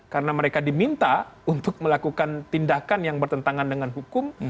karena mereka diminta untuk melakukan tindakan yang bertentangan dengan hukum